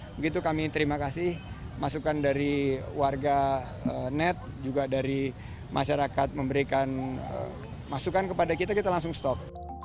begitu kami terima kasih masukan dari warga net juga dari masyarakat memberikan masukan kepada kita kita langsung stop